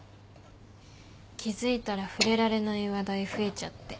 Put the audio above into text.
気付いたら触れられない話題増えちゃって。